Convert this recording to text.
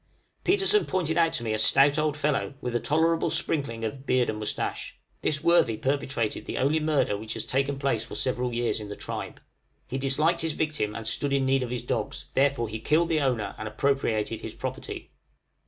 Petersen pointed out to me a stout old fellow, with a tolerable sprinkling of beard and moustache. This worthy perpetrated the only murder which has taken place for several years in the tribe: he disliked his victim and stood in need of his dogs, therefore he killed the owner and appropriated his property!